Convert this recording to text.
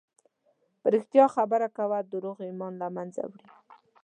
په رښتیا خبرې کوه، دروغ ایمان له منځه وړي.